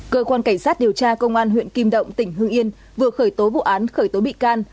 cơ quan cảnh sát điều tra công an huyện kim động tỉnh hương yên vừa khởi tố vụ án khởi tố bị can